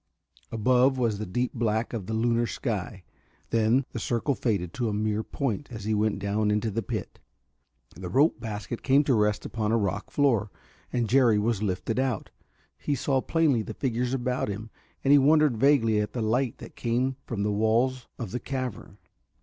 Above was the deep black of the lunar sky. Then the circle faded to a mere point as he went down into the pit. The rope basket came to rest upon a rock floor, and Jerry was lifted out. He saw plainly the figures about him, and he wondered vaguely at the light that came from the walls of the cavern.